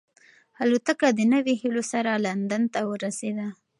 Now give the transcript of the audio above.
الوتکه د نویو هیلو سره لندن ته ورسېده.